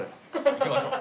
行きましょう。